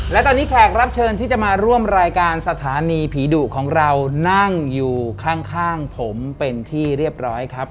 และตอนนี้แขกรับเชิญที่จะมาร่วมรายการสถานีผีดุของเรานั่งอยู่ข้างผมเป็นที่เรียบร้อยครับ